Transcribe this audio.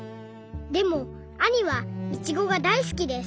でもあにはイチゴがだい好きです。